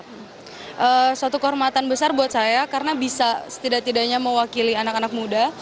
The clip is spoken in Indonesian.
itu suatu kehormatan besar buat saya karena bisa setidak tidaknya mewakili anak anak muda